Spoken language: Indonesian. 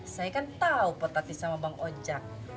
saya kan tau potati sama bang ojak